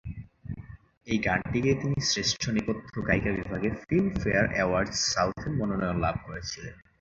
এই গানটি গেয়ে তিনি শ্রেষ্ঠ নেপথ্য গায়িকা বিভাগে ফিল্মফেয়ার অ্যাওয়ার্ডস সাউথের মনোনয়ন লাভ করেছিলেন।